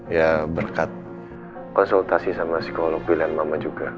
ya berkat konsultasi sama psikolog pilihan mama juga